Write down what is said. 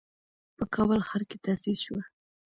په کابل ښار کې تأسيس شوه.